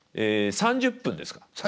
３０分です。